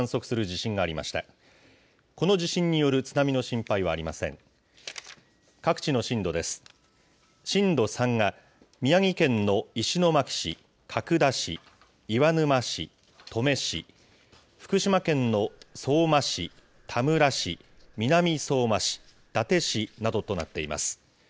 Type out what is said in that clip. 震度３が宮城県の石巻市、角田市、岩沼市、登米市、福島県の相馬市、田村市、南相馬市、伊達市などとなっています。